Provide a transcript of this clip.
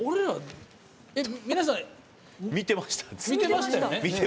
皆さん、見てましたよね。